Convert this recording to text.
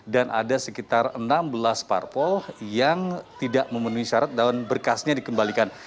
dan ada sekitar enam belas parpol yang tidak memenuhi syarat dan berkasnya dikembalikan